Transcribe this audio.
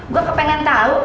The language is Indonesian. gue kepengen tau